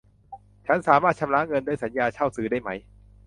ฉันสามารถชำระเงินด้วยสัญญาเช่าซื้อได้ไหม